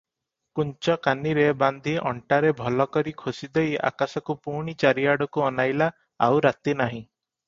କୁଞ୍ଚକାନିରେ ବାନ୍ଧି ଅଣ୍ଟାରେ ଭଲ କରି ଖୋଷିଦେଇ ଆକାଶକୁ ପୁଣି ଚାରିଆଡ଼କୁ ଅନାଇଲା, ଆଉ ରାତି ନାହିଁ ।